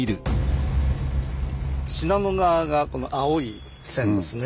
信濃川がこの青い線ですね。